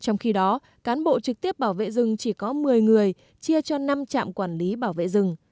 trong khi đó cán bộ trực tiếp bảo vệ rừng chỉ có một mươi người chia cho năm trạm quản lý bảo vệ rừng